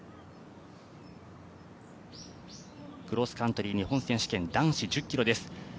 クロスカントリー日本選手権男子１０ｋｍです。